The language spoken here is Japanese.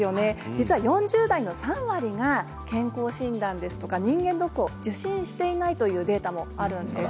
実は４０代の３割が健康診断ですとか人間ドックを受診してないというデータもあるんです。